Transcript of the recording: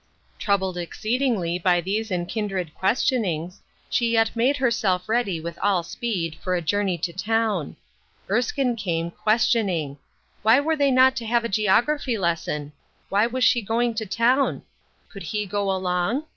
Troubled exceedingly by these and kindred questionings, she yet made herself ready with all speed, for a journey to town. Erskine came, ques tioning : Why were they not to have a geography lesson ? Why was she going to town ? Could he go along